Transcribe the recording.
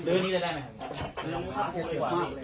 ต่อมากนะครับ